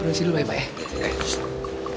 pergi sini dulu baik baik ya